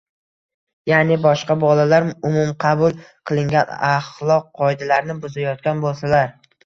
ya’ni boshqa bolalar umumqabul qilingan axloq qoidalarini buzayotgan bo‘lsalar